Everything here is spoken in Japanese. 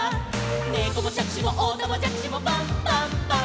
「ねこもしゃくしもおたまじゃくしもパンパンパン」